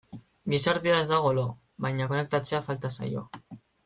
Gizartea ez dago lo, baina konektatzea falta zaio.